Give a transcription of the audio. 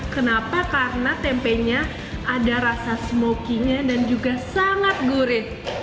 kenapa karena tempenya ada rasa smoky nya dan juga sangat gurih